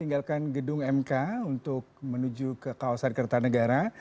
tinggalkan gedung mk untuk menuju ke kawasan kertanegara